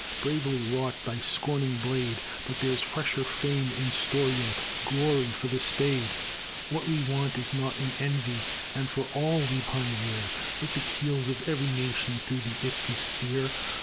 Bravely wrought thy scorning blade, But there's fresher fame in store yet, Glory for the spade. What we want is naught in envy, And for all we pioneer; Let the keels of every nation Through the isthmus steer.